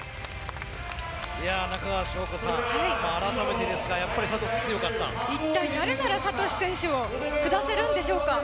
中川さん、改めて一体誰ならサトシ選手を下せるんでしょうか。